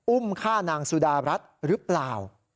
อุ้มฆ่านางสุดารัฐหรือเปล่า